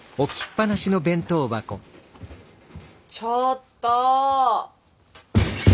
ちょっと。